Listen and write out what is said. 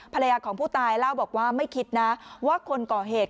ภรรยาของผู้ตายเล่าบอกว่าไม่คิดนะว่าคนก่อเหตุ